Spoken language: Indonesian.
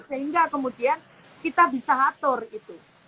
sehingga kemudian kita bisa atur itu